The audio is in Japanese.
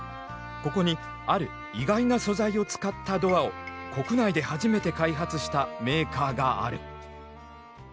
ここにある「意外な素材」を使ったドアを国内で初めて開発したメーカーがある。